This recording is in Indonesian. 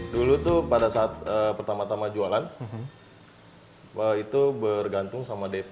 dulu tuh pada saat pertama tama jualan itu bergantung sama dp